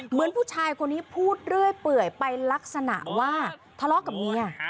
เหมือนผู้ชายคนนี้พูดเรื่อยเปื่อยไปลักษณะว่าทะเลาะกับเมีย